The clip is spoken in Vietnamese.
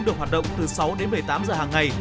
được hoạt động từ sáu đến một mươi tám giờ hàng ngày